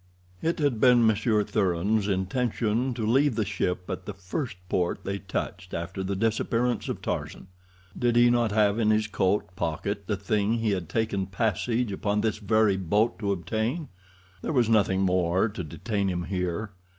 It had been Monsieur Thuran's intention to leave the ship at the first port they touched after the disappearance of Tarzan. Did he not have in his coat pocket the thing he had taken passage upon this very boat to obtain? There was nothing more to detain him here.